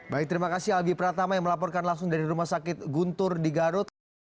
baik terima kasih albi pratama yang melaporkan langsung dari rumah sakit guntur di garut